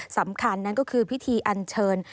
สำคัญนั่นก็คือพิธีอันเชิญ